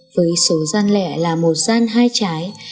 với số gian lẻ là một gian hai trái